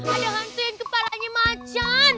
ada hantu yang kepalanya macan